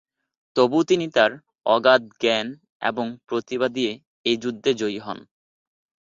তবুও তিনি তার অগাধ জ্ঞান এবং প্রতিভা দিয়ে এই যুদ্ধে জয়ী হন।